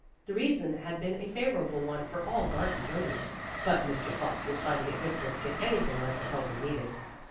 The season had been a favorable one for all garden pro duce, but Mr. Frost was finding it difficult to get anything like the help he needed.